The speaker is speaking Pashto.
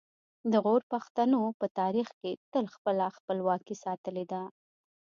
د غور پښتنو په تاریخ کې تل خپله خپلواکي ساتلې ده